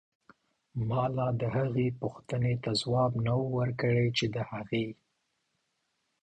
مالا دهغې دپو ښتنې ته ځواب نه و ورکړی چې هغې